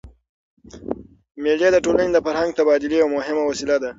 مېلې د ټولني د فرهنګي تبادلې یوه مهمه وسیله ده.